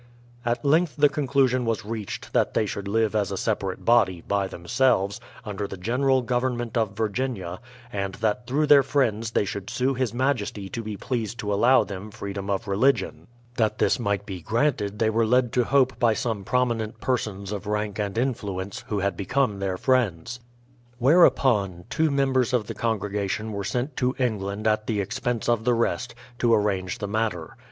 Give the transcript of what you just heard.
At length the conclusion was reached that they should live as a separate body, by themselves, under the general government of Virginia; and that through their friends they should sue his majesty to be pleased to allow them freedom of religion. That this might be granted they were led to hope by some prominent persons of rank and influ ence, who had become their friends. Whereupon, two members of the congregation were sent to England at the expense of the rest, to arrange the matter.